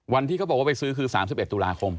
วันที่เขาบอกว่าไปซื้อคือ๓๑ตุลาคม